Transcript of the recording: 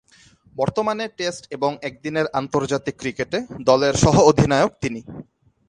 বর্তমানে টেস্ট এবং একদিনের আন্তর্জাতিক ক্রিকেটে দলের সহ-অধিনায়ক তিনি।